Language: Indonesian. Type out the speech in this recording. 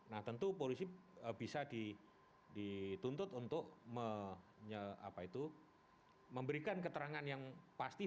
nah tentu polisi bisa dituntut untuk memberikan keterangan yang pasti